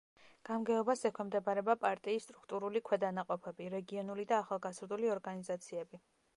გამგეობას ექვემდებარება პარტიის სტრუქტურული ქვედანაყოფები, რეგიონული და ახალგაზრდული ორგანიზაციები.